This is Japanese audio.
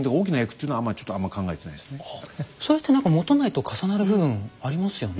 それって何か元就と重なる部分ありますよね。